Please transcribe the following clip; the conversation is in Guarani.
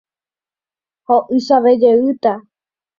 Ho'ysãvejeýta.